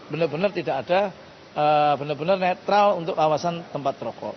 benar benar tidak ada benar benar netral untuk kawasan tempat rokok